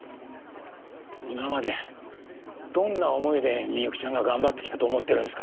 今までどんな思いで美幸ちゃんが頑張ってきたと思ってるんですか？